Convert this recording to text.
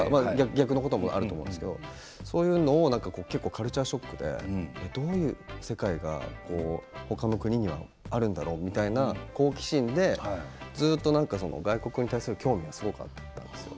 逆のこともあると思いますけれども結構、カルチャーショックでどういう世界が他の国にはあるんだろうみたいな好奇心でずっと外国に対する興味がすごくあったんですよ。